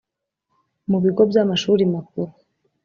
Mu bigo by amashuri makuru